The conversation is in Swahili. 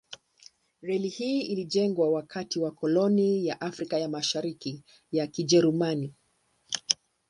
Reli hii ilijengwa wakati wa koloni ya Afrika ya Mashariki ya Kijerumani.